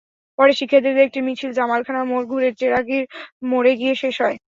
পরে শিক্ষার্থীদের একটি মিছিল জামালখান মোড় ঘুরে চেরাগীর মোড়ে গিয়ে শেষ হয়।